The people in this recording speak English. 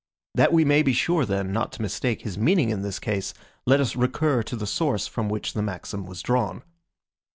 That we may be sure, then, not to mistake his meaning in this case, let us recur to the source from which the maxim was drawn.